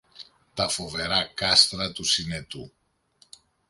τα φοβερά κάστρα του Συνετού.